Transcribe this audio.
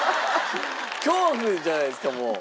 恐怖じゃないですかもう。